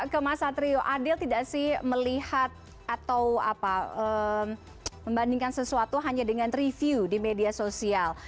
ke mas satrio adil tidak sih melihat atau membandingkan sesuatu hanya dengan review di media sosial